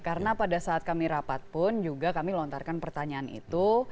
karena pada saat kami rapat pun juga kami lontarkan pertanyaan itu